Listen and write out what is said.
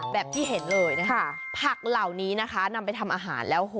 แบบที่เห็นเลยนะคะผักเหล่านี้นะคะนำไปทำอาหารแล้ว